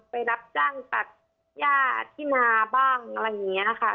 ไปรับจ้างตัดย่าที่นาบ้างอะไรอย่างนี้ค่ะ